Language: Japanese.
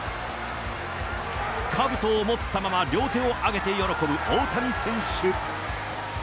かぶとを持ったまま両手を上げて喜ぶ大谷選手。